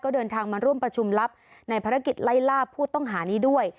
เดินทางมาร่วมประชุมลับในภารกิจไล่ล่าผู้ต้องหานี้ด้วย